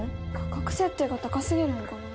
価格設定が高すぎるのかな？